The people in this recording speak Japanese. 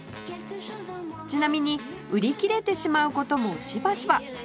ちなみに売り切れてしまう事もしばしば